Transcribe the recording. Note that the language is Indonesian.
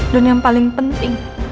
dan yang paling penting